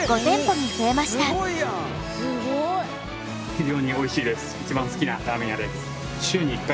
非常においしいです。